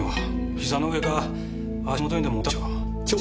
膝の上か足元にでも置いたんでしょう。